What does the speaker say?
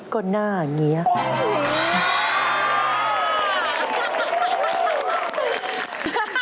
ก็หน้าเนี๊ยม